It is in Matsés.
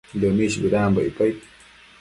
Dëmish bëdambo icpaid